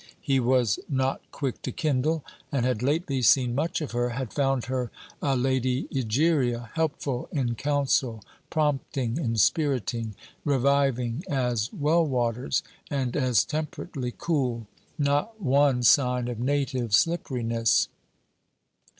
He was not quick to kindle, and had lately seen much of her, had found her a Lady Egeria, helpful in counsel, prompting, inspiriting, reviving as well waters, and as temperately cool: not one sign of native slipperiness.